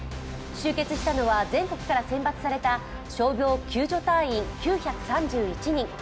集結したのは全国から選抜された消防・救急隊員９３１人。